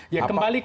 ya kembali kak